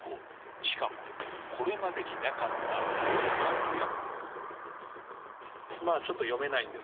［しかもこれまでになかった夜の予約］